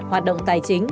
hoạt động tài chính